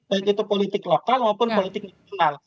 baik itu politik lokal maupun politik nasional